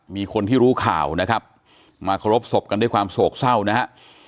มีคนที่รู้ข่าวนะครับมาเคารพศพกันด้วยความโศกเศร้านะฮะ